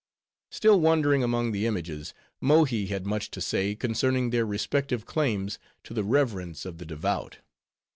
Still wandering among the images, Mohi had much to say, concerning their respective claims to the reverence of the devout.